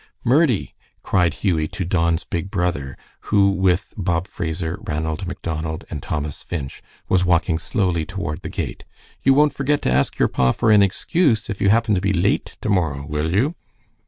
"Murdie," cried Hughie to Don's big brother, who with Bob Fraser, Ranald Macdonald, and Thomas Finch was walking slowly toward the gate, "you won't forget to ask your pa for an excuse if you happen to be late to morrow, will you?"